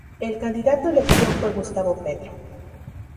El candidato elegido fue Gustavo Petro.